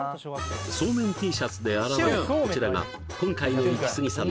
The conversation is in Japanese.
そうめんＴシャツで現れたこちらが今回のイキスギさん